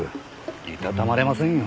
いたたまれませんよ。